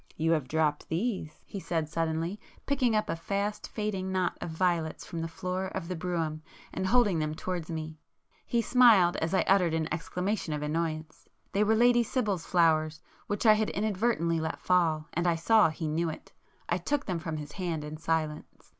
"You have dropped these,"—he said suddenly, picking up a fast fading knot of violets from the floor of the brougham and holding them towards me. He smiled, as I uttered an exclamation of annoyance. They were Lady Sibyl's flowers which I had inadvertently let fall, and I saw he knew it. I took them from his hand in silence.